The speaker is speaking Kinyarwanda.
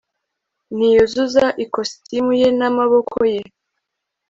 ntiyuzuza ikositimu ye, n'amaboko ye